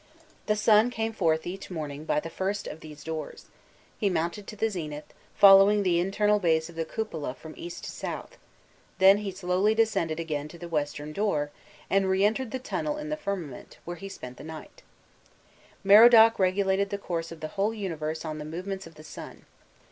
* The sun came forth each morning by the first of these doors; he mounted to the zenith, following the internal base of the cupola from east to south; then he slowly descended again to the western door, and re entered the tunnel in the firmament, where he spent the night, Merodach regulated the course of the whole universe on the movements of the sun.